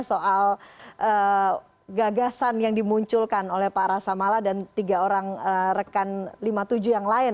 soal gagasan yang dimunculkan oleh pak rasa mala dan tiga orang rekan lima puluh tujuh yang lain